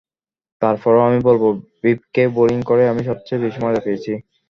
তার পরও আমি বলব, ভিভকে বোলিং করেই আমি সবচেয়ে বেশি মজা পেয়েছি।